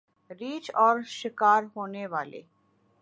ریچھ اور شکار ہونے والے